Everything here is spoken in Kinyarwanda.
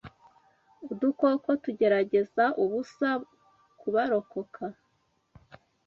Udukoko tugerageza ubusa kubarokoka